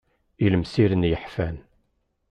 Ilemsiren i yeḥfan.